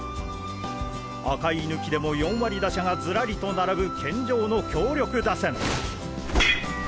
赤井抜きでも４割打者がズラリと並ぶ健丈の強力打線。